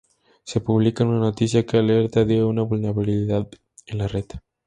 Se publica una noticia que alerta de una vulnerabilidad en la red